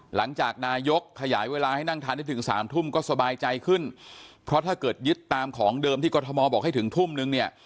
หลังจากนายกขยายเวลาให้นั่งทานได้ถึงสามทุ่มก็สบายใจขึ้นเพราะถ้าเกิดยึดตามของเดิมที่กรทมบอกให้ถึงทุ่มนึงเนี่ย